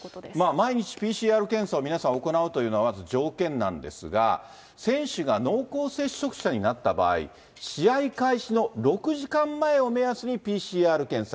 毎日ＰＣＲ検査を皆さん行うというのは、まず条件なんですが、選手が濃厚接触者になった場合、試合開始の６時間前を目安に、ＰＣＲ検査。